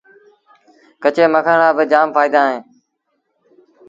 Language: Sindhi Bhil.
ڪچي مکڻ رآ با جآم ڦآئيدآ اوهيݩ